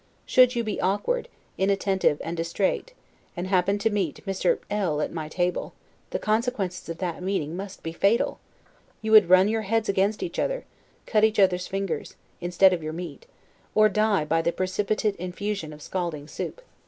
Should you be awkward, inattentive, and distrait, and happen to meet Mr. L at my table, the consequences of that meeting must be fatal; you would run your heads against each other, cut each other's fingers, instead of your meat, or die by the precipitate infusion of scalding soup.